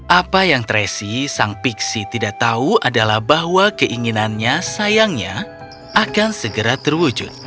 apa yang tracy sang pixi tidak tahu adalah bahwa keinginannya sayangnya akan segera terwujud